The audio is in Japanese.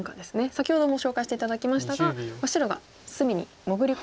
先ほども紹介して頂きましたが白が隅に潜り込む展開になりそうですか。